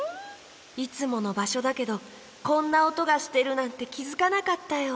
いつものばしょだけどこんなおとがしてるなんてきづかなかったよ。